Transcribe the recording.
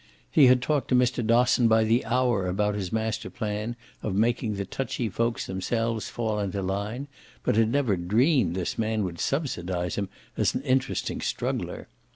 He had talked to Mr. Dosson by the hour about his master plan of making the touchy folks themselves fall into line, but had never dreamed this man would subsidise him as an interesting struggler.